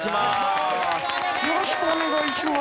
よろしくお願いします。